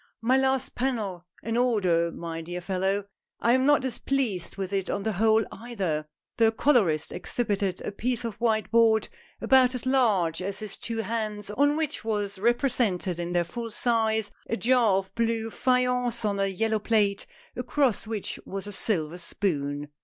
" My last panel — an order, my dear fellow. I am not displeased with it on the whole, either !"" The colorist " exhibited a piece of white board about as large as his two hands, on which was repre sented in their full size, a jar of blue faience on a yellow plate, across which was a silver spoon.